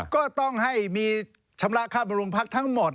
ก็ต้องให้มีชำระค่าบรมพักทั้งหมด